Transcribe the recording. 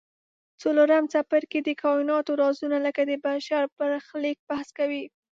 څلورم څپرکی د کایناتو رازونه لکه د بشر برخلیک بحث کوي.